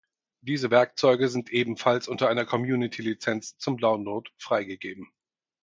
Diese Werkzeuge sind ebenfalls unter einer Community-Lizenz zum Download freigegeben.